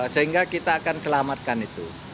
sehingga kita akan selamatkan itu